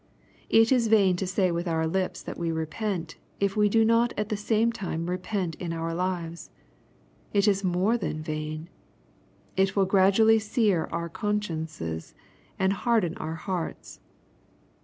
It is vain to say with our lips that we repent, if we do not at the same time repent in our lives. It is more than vain. It will gradually sear our consciences, and harden our hearts.